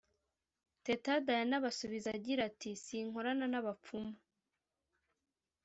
Teta Diana abasubiza agira ati « Sinkorana n’abapfumu